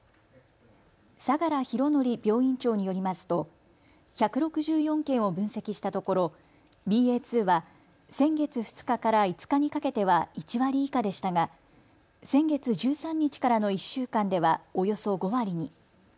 相良博典病院長によりますと１６４件を分析したところ、ＢＡ．２は先月２日から５日にかけては１割以下でしたが先月１３日からの１週間ではおよそ５割に。